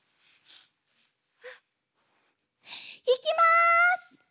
いきます！